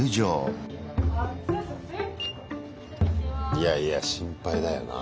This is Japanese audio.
いやいや心配だよな。